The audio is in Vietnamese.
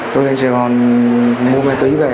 tôi đến sài gòn mua ma túy về